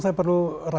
saya perlu berbicara